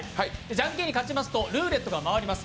じゃんけんに勝ちますとルーレットが回ります。